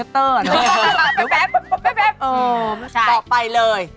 ต่อไปเลย